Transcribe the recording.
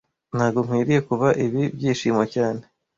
Ntago nkwiriye kuba ibi byishimo cyane